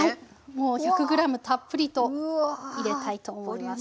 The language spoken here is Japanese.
もう１００ｇたっぷりと入れたいと思います。